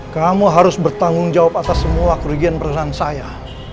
kamu harus bertanggung jawab atas semua kerugian perasaan saya